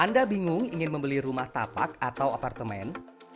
anda bingung ingin membeli rumah tapak atau apartemen